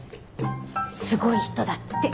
すごい人だって。